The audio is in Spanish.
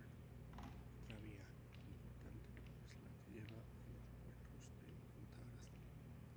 Otra vía importante es la que lleva a Los Puertos de Altagracia.